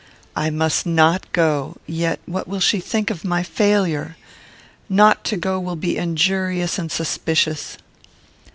I must not go: yet what will she think of my failure? Not to go will be injurious and suspicious."